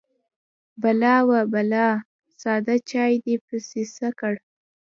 _بلا ، وه بلا! ساده چاې دې پسې څه کړ؟